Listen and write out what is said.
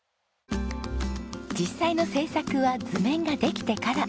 実際の製作は図面ができてから。